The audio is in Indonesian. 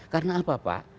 karena apa pak